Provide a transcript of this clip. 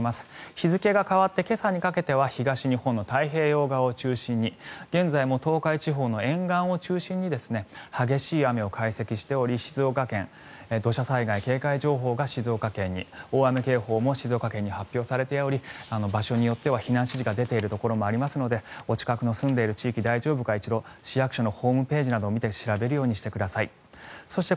日付が変わって今朝にかけては東日本の太平洋側を中心に現在も東海地方の沿岸を中心に激しい雨を出ており静岡県、土砂災害警戒情報が静岡県に大雨警報も静岡県に発表されており場所によっては避難指示が出ているところもありますのでお近くの、住んでいる地域大丈夫か市役所のホームページを見て確認してください。